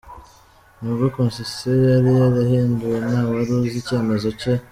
N’ubwo constitution yari yarahinduwe, ntawari uzi icyemezo cye.